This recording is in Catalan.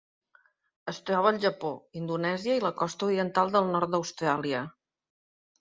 Es troba al Japó, Indonèsia i la costa oriental del nord d'Austràlia.